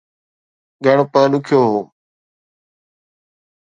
ڳڻپ ڏکيو هو